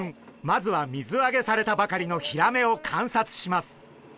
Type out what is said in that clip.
まずは水あげされたばかりのヒラメを観察します。